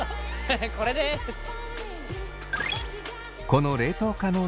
これです！